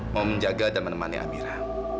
mau menjaga dan menemani amirah